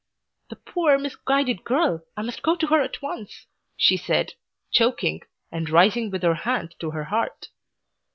"The poor, misguided girl! I must go to her at once," she said, choking, and rising with her hand to her heart.